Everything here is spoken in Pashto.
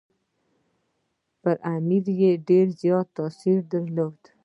پر امیر یې ډېر زیات تاثیر درلود.